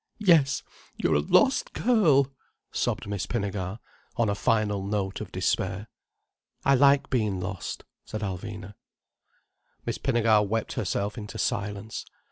"Yes, you're a lost girl," sobbed Miss Pinnegar, on a final note of despair. "I like being lost," said Alvina. Miss Pinnegar wept herself into silence.